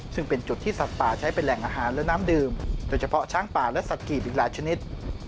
ซึ่งเป็นจุดที่สัตว์ป่าใช้เป็นแหล่งอาหารและน้ำดื่มโดยเฉพาะช้างป่าและสัตว์กีบอีกหลายชนิด